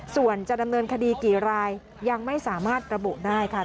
ส่วนจะดำเนินคดีกี่รายยังไม่สามารถระบุได้ค่ะ